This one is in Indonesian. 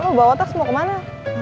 oh bawa tas mau kemana